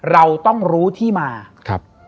เราต้องรู้ที่มา